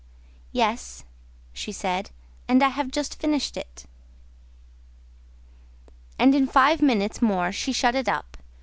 "Yes," she said, "and I have just finished it." And in five minutes more she shut it up.